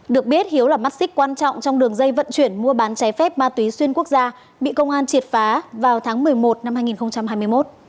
được biết hiếu là mắt xích quan trọng trong đường dây vận chuyển mua bán trái phép ma túy xuyên quốc gia bị công an triệt phá vào tháng một mươi một năm hai nghìn hai mươi một